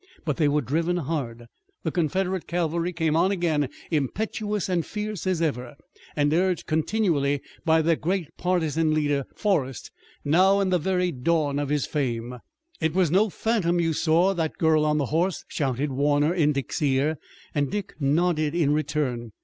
But they were driven hard. The Confederate cavalry came on again, impetuous and fierce as ever, and urged continually by the great partisan leader, Forrest, now in the very dawn of his fame. "It was no phantom you saw, that girl on the horse!" shouted Warner in Dick's ear, and Dick nodded in return.